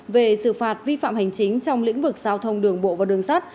về xử phạt vi phạm hành chính trong lĩnh vực giao thông đường bộ và đường sắt